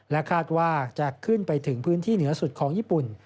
คาดว่าจะขึ้นไปถึงพื้นที่เหนือสุดของญี่ปุ่น